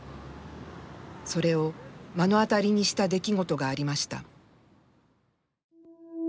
それを目の当たりにした出来事がありました。